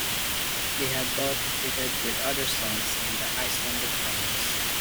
They had both competed with other songs in the Icelandic finals.